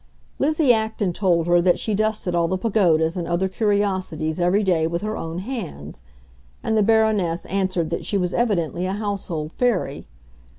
Lizzie Acton told her that she dusted all the pagodas and other curiosities every day with her own hands; and the Baroness answered that she was evidently a household fairy.